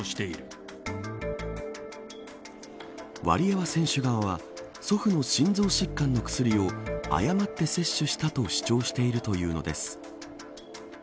ワリエワ選手側は祖父の心臓疾患の薬を誤って摂取したと主張しているというのです。